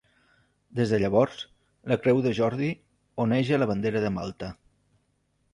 Des de llavors, la Creu de Jordi oneja a la bandera de Malta.